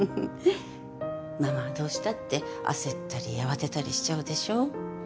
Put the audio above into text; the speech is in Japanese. ママはどうしたって焦ったり慌てたりしちゃうでしょ？